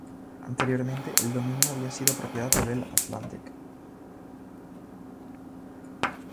Anteriormente, el dominio había sido propiedad de Bell Atlantic.